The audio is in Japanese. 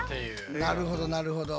なるほどなるほど。